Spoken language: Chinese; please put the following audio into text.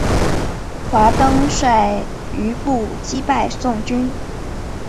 华登率余部击败宋军。